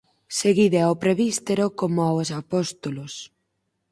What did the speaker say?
Seguide ao presbítero como aos Apóstolos.